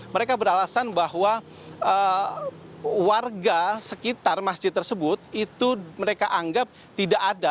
mereka beralasan bahwa warga sekitar masjid tersebut itu mereka anggap tidak ada